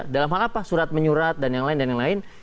dalam hal apa surat menyurat dan yang lain lain